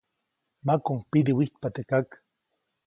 Makuʼuŋ pidiwijtpa teʼ kak.